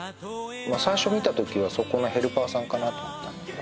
最初見た時はそこのヘルパーさんかなと思ったんだけど。